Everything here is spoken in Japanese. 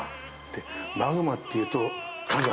マグマっていうと火山。